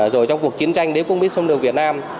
rồi trong cuộc chiến tranh đế quốc mỹ xâm lược việt nam